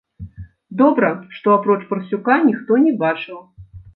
Добра, што, апроч парсюка, ніхто не бачыў.